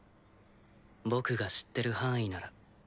僕が知ってる範囲なら。